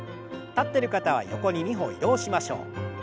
立ってる方は横に２歩移動しましょう。